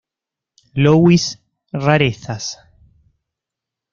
Louis Rarezas.